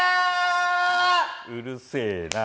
うるせえな。